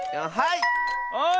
はい！